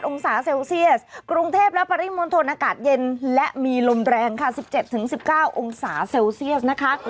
องศาเซลเซียสกรุงเทพและปริมณฑลอากาศเย็นและมีลมแรงค่ะ๑๗๑๙องศาเซลเซียสนะคะ